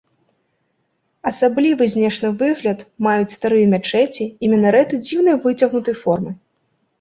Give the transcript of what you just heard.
Асаблівы знешні выгляд маюць старыя мячэці і мінарэты дзіўнай выцягнутай формы.